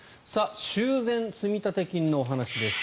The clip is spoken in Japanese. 修繕積立金のお話です。